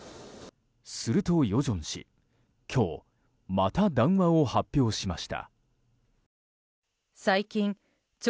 すると与正氏、今日また談話を発表しました。